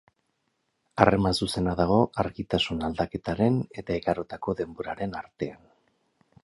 Harreman zuzena dago argitasun aldaketaren eta igarotako denboraren artean.